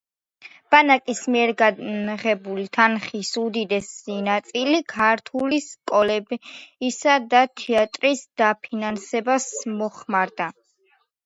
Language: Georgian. ბანკის მიერ გაღებული თანხის უდიდესი ნაწილი ქართული სკოლებისა და თეატრის დაფინანსებას მოხმარდა.